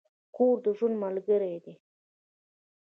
کور د ژوند ملګری دی.